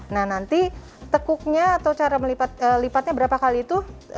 nah nanti tekuknya atau cara melipatnya berapa kali itu